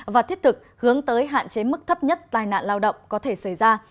và thiết thực hướng tới hạn chế mức thấp nhất tai nạn lao động có thể xảy ra